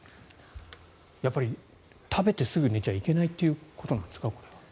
やっぱり食べてすぐ寝ちゃいけないということですか。